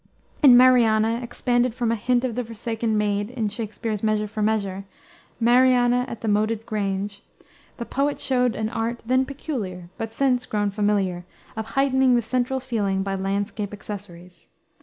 In Mariana, expanded from a hint of the forsaken maid, in Shakspere's Measure for Measure, "Mariana at the moated grange," the poet showed an art then peculiar, but since grown familiar, of heightening the central feeling by landscape accessories.